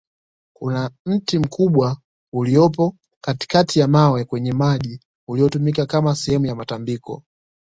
kuna mti mkubwa uliopo katikati ya mawe kwenye maji uliotumika Kama sehemu ya matambiko